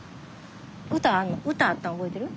歌あんの歌あったん覚えてる？